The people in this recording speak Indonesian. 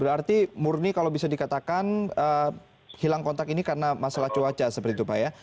berarti murni kalau bisa dikatakan hilang kontak ini karena masalah cuaca seperti itu pak ya